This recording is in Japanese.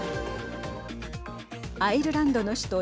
アイルランドの首都